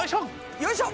よいしょ！